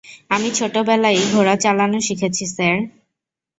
আমি ছোটবেলায়ই ঘোড়া চালানো শিখেছি, স্যার।